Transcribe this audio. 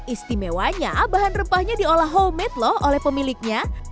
istimewanya bahan rempahnya diolah homemade loh oleh pemiliknya